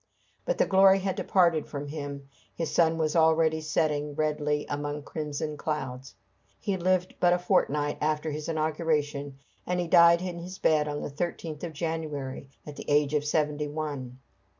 But the glory had departed from him. His sun was already setting, redly, among crimson clouds. He lived but a fortnight after his inauguration, and he died in his bed on the 13th of January, at the age of seventy one.